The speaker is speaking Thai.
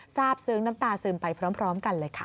ซึ้งน้ำตาซึมไปพร้อมกันเลยค่ะ